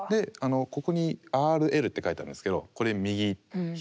ここに「Ｒ」「Ｌ」って書いてあるんですけどこれ右左。